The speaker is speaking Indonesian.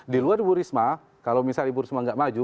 di luar ibu risma kalau misalnya ibu risma nggak maju